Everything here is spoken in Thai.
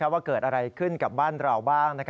ว่าเกิดอะไรขึ้นกับบ้านเราบ้าง